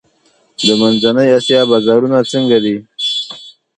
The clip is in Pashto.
د منځنۍ اسیا بازارونه څنګه دي؟